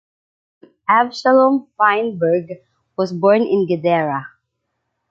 Avshalom Feinberg was born in Guedera.